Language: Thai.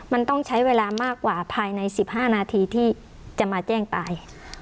มันต้องใช้เวลามากกว่าภายใน๑๕นาทีที่จะมาแจ้งตาย